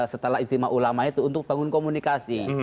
setelah istimewa ulama itu untuk bangun komunikasi